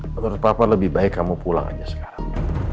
menurut papa lebih baik kamu pulang aja sekarang